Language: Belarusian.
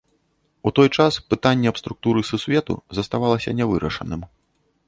У той час пытанне аб структуры сусвету заставалася нявырашаным.